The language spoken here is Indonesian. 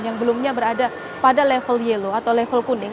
yang belumnya berada pada level yellow atau level kuning